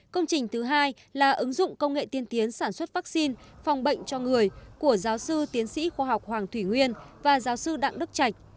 công trình thứ hai là ứng dụng công nghệ tiên tiến sản xuất vaccine phòng bệnh cho người của giáo sư tiến sĩ khoa học hoàng thủy nguyên và giáo sư đặng đức trạch